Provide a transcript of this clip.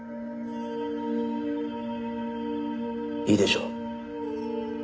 いいでしょう。